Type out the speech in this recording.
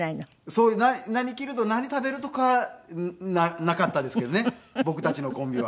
そういう「何着る？」とか「何食べる？」とかなかったですけどね僕たちのコンビは。